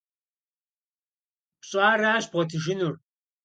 Пщӏаращ бгъуэтыжынур.